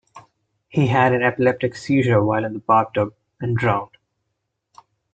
He had an epileptic seizure while in the bathtub and drowned.